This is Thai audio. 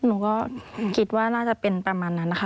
หนูก็คิดว่าน่าจะเป็นประมาณนั้นนะคะ